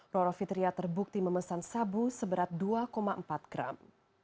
roro fitria terbukti memesan sabu seberat dua empat gram